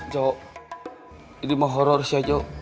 jok ini mah horor sih ya jok